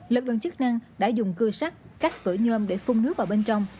lực lượng chức năng đã dùng cưa sắt cắt cửa nhôm để phun nước vào bên trong